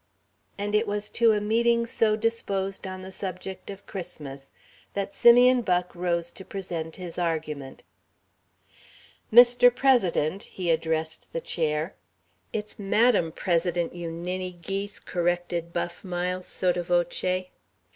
And it was to a meeting so disposed on the subject of Christmas that Simeon Buck rose to present his argument. "Mr. President," he addressed the chair. "It's Madam President, you ninny geese," corrected Buff Miles, sotto voce.